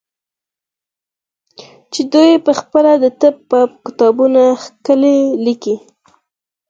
چې دوى پخپله د طب په کتابونو کښې ليکلي.